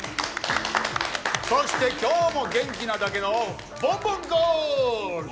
そして今日も元気なだけのボンボンガールズ。